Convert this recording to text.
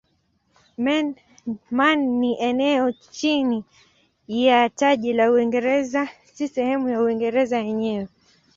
Man ni eneo chini ya taji la Uingereza si sehemu ya Uingereza yenyewe.